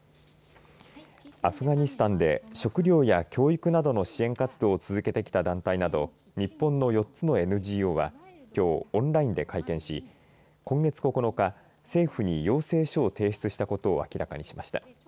アフガニスタンで食料や教育など支援活動を続けてきた団体など日本の４つのＮＧＯはきょうオンラインで会見し今月９日、政府に要請書を提出したことを明らかにしました。